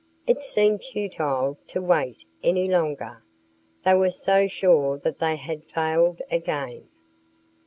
It seemed futile to wait any longer. They were so sure that they had failed again.